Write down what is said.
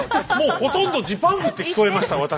もうほとんど「ジパング」って聞こえました